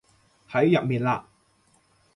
喺入面嘞